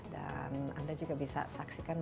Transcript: dan anda juga bisa saksikan